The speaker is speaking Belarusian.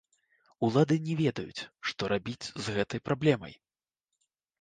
Улады не ведаюць, што рабіць з гэтай праблемай.